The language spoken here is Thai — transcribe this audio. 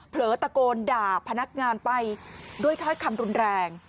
เผลอตะโกนด่าพนักงานไปด้วยถ้อยคำรุนแรง